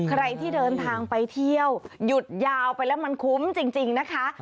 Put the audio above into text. ใครที่เดินทางไปเที่ยวหยุดยาวไปแล้วมันคุ้มจริงนะคะ